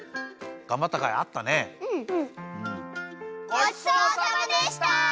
ごちそうさまでした！